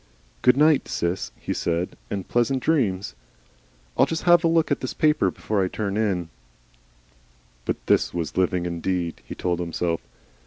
"Good night, Sis," he said, "and pleasant dreams. I'll just 'ave a look at this paper before I turn in." But this was living indeed! he told himself.